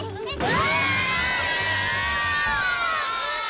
わ！